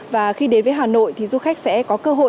và khi đến với hà nội thì du khách sẽ có cơ hội